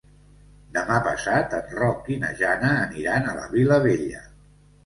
Demà passat en Roc i na Jana aniran a la Vilavella.